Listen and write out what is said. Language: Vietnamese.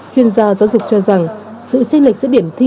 chuyên gia giáo dục cho rằng sự tranh lệch giữa điểm thi